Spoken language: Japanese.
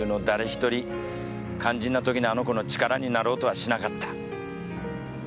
一人肝心な時にあの子の力になろうとはしなかった。